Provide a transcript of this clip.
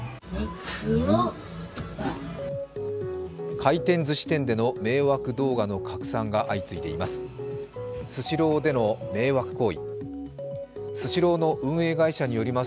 回転ずし店での迷惑動画の拡散が相次いでいます。